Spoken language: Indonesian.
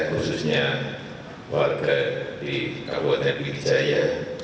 khususnya warga di kabupaten widjaya